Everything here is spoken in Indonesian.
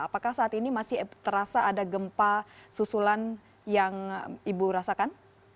apakah saat ini masih terasa ada gempa susulan yang ibu rasakan